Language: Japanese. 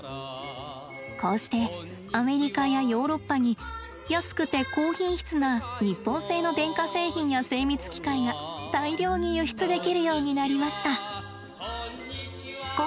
こうしてアメリカやヨーロッパに安くて高品質な日本製の電化製品や精密機械が大量に輸出できるようになりました。